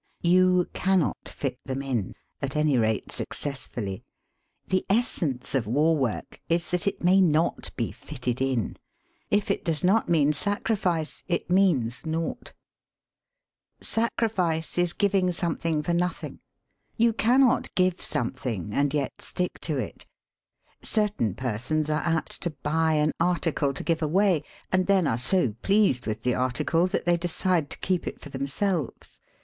You cannot fit them in — at any rate success fully. The essence of war work is that it may not be fitted in. If it does not mean sacrifice, it means naught. Sacrifice is giving something for SOME AXIOMS ABOUT WAR WORK 31 nothing. You cannot give something and yet stick to it. Certain persons are apt to buy an article to give away, and then are so pleased with the article that they decide to keep it for them selves.